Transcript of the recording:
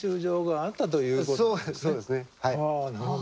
ああなるほど。